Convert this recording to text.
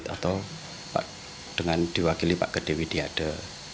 atau dengan diwakili pak kedewi diade